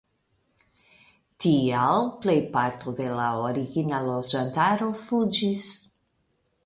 Tial plejparto de la origina loĝantaro fuĝis.